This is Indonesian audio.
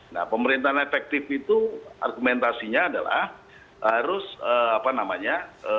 nah pemerintahan efektif itu argumentasinya adalah harus apa namanya